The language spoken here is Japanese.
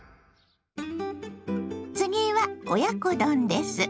次は親子丼です。